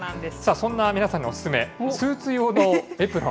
そんな皆さんにお勧め、スーツ用のエプロン。